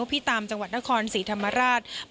อำเภอนุพิตามจังหวัดนครสีธรรมราช